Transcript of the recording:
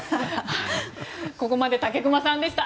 ここまで武隈さんでした。